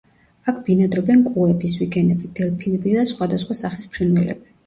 აქ ბინადრობენ კუები, ზვიგენები, დელფინები და სხვადასხვა სახის ფრინველები.